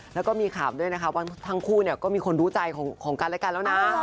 แล้วก็มีข่าวด้วยนะคะว่าทั้งคู่เนี่ยก็มีคนรู้ใจของกันและกันแล้วนะ